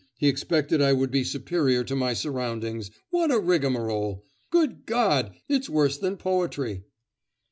He expected I would be superior to my surroundings. What a rigmarole! Good God! it's worse than poetry!